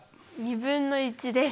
２分の１です。